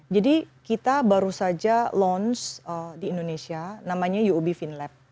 jadi kita baru saja launch di indonesia namanya yub finlab